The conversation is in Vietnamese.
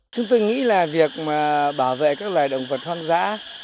chúng tôi nghĩ là việc bảo vệ các loài động vật hoang dã